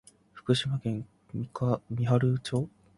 福島県三春町